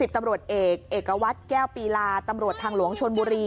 ตำรวจเอกเอกวัตรแก้วปีลาตำรวจทางหลวงชนบุรี